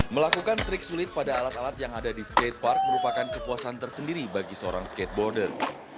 melakukan trik sulit pada alat alat yang ada di skatepark merupakan kepuasan tersendiri bagi seorang skateboarder